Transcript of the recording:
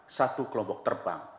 empat orang satu kelompok terbang